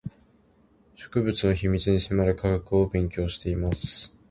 植物の秘密に迫る学科で勉強をしています